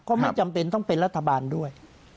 ไม่จำเป็นต้องเป็นรัฐบาลด้วย